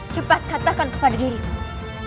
cepat katakan kepada dirimu